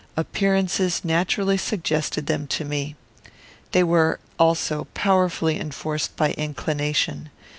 Appearances naturally suggested them to me. They were, also, powerfully enforced by inclination.